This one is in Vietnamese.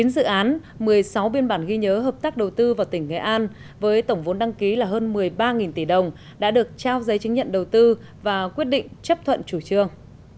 chín dự án một mươi sáu biên bản ghi nhớ hợp tác đầu tư vào tỉnh nghệ an với tổng vốn đăng ký là hơn một mươi ba tỷ đồng đã được trao giấy chứng nhận đầu tư và quyết định chấp thuận chủ trương